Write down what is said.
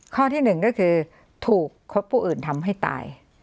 ข้อที่หนึ่งก็คือถูกคบผู้อื่นทำให้ตาย